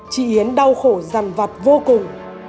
chị yến đau khổ rằn vặt vô cùng